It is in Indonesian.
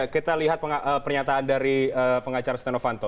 kita lihat pernyataan dari pengacara steno fanto